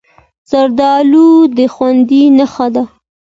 زردالو د خوښۍ نښه ده.